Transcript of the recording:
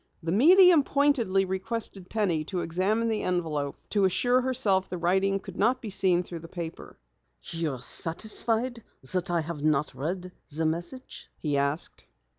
The medium pointedly requested Penny to examine the envelope to assure herself the writing could not be seen through the paper. "You are satisfied that I have not read the message?" he asked.